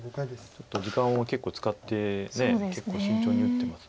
ちょっと時間を結構使って結構慎重に打ってます。